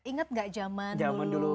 ingat gak jaman dulu